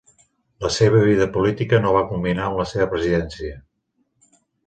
La seva vida política no va culminar amb la seva Presidència.